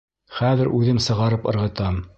Хәҙер үҙем сығарып ырғытам!